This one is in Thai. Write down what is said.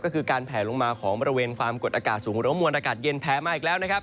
ก็คือการแผลลงมาของบริเวณความกดอากาศสูงหรือว่ามวลอากาศเย็นแผลมาอีกแล้วนะครับ